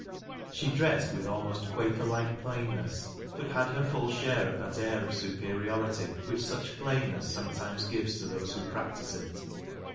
She dressed with almost Quaker like plainness, but had her full share of that air of superiority which such plainness sometimes gives to those who practise it.